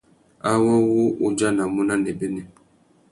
Awô wu udjanamú nà nêbênê.